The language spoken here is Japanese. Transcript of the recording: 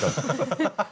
ハハハハ。